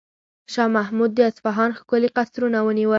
شاه محمود د اصفهان ښکلي قصرونه ونیول.